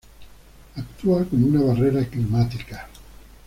Actúa como una barrera climática.